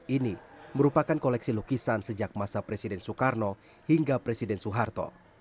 ini merupakan koleksi lukisan sejak masa presiden soekarno hingga presiden soeharto